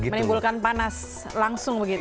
menimbulkan panas langsung begitu